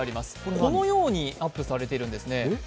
このようにアップされてるんですね。